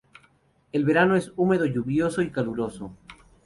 El verano es húmedo, lluvioso y caluroso.